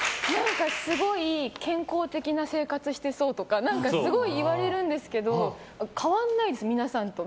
すごい健康的な生活してそうとかすごい言われるんですけど変わらないです、皆さんと。